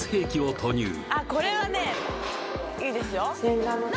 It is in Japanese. あっこれはねいいですよ何？